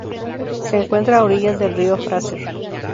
Se encuentra a orillas del río Fraser.